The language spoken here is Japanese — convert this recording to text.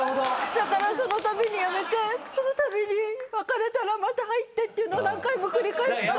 だからそのたびにやめてそのたびに別れたらまた入ってっていうのを何回も繰り返して。